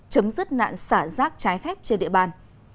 chấm dứt nạn xả rác trái phép trên địa bàn